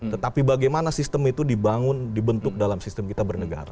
tetapi bagaimana sistem itu dibangun dibentuk dalam sistem kita bernegara